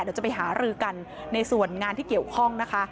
เดี๋ยวจะไปหารือกันในส่วนงานที่เกี่ยวข้องนะคะ